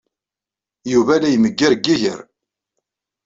Yuba la imegger deg yiger.